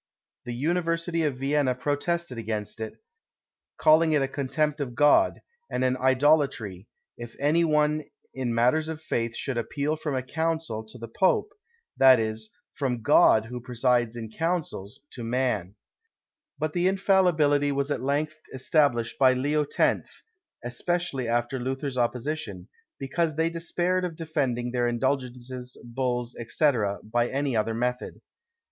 The university of Vienna protested against it, calling it a contempt of God, and an idolatry, if any one in matters of faith should appeal from a council to the Pope; that is, from God who presides in councils, to man. But the infallibility was at length established by Leo X., especially after Luther's opposition, because they despaired of defending their indulgences, bulls, &c., by any other method.